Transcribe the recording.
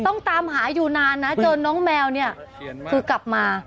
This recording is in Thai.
ต้องตามหาอยู่นานนะเจอน้องแมวเนี่ยคือกลับมา